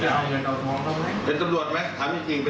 เพราะว่าตอนนั้นที่ผมทำไปเพราะว่าสติสัมยัตริย์ไม่เกินที่ครับ